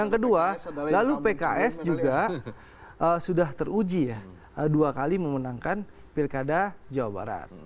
yang kedua lalu pks juga sudah teruji ya dua kali memenangkan pilkada jawa barat